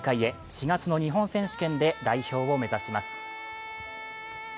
４月の日本選手権で代表を目指します。